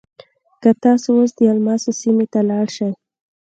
که تاسو اوس د الماسو سیمې ته لاړ شئ.